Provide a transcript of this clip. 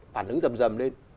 phản ứng dầm dầm lên